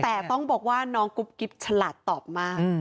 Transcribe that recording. แต่ต้องบอกว่าน้องกุ๊บกิ๊บฉลาดตอบมาก